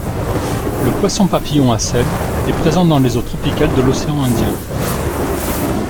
Le Poisson-papillon à selles est présent dans les eaux tropicales de l'Océan Indien.